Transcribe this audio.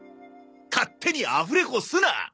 勝手にアフレコすな！